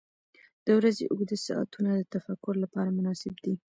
• د ورځې اوږده ساعتونه د تفکر لپاره مناسب دي.